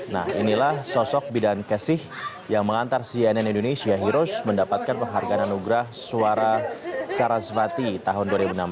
nah inilah sosok bidan kesih yang mengantar cnn indonesia heroes mendapatkan penghargaan anugerah suara sarazvati tahun dua ribu enam belas